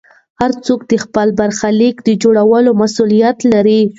هر څوک د خپل برخلیک د جوړولو مسوولیت لري.